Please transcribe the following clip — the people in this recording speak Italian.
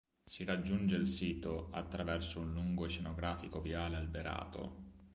Si raggiunge il sito attraverso un lungo e scenografico viale alberato.